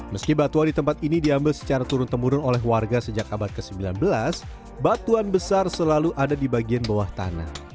meski batuan di tempat ini diambil secara turun temurun oleh warga sejak abad ke sembilan belas batuan besar selalu ada di bagian bawah tanah